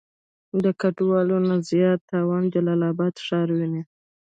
د ګډوالو نه زيات تاوان جلال آباد ښار وينئ.